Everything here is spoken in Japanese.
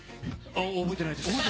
覚えてないです。